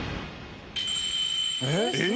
えっ！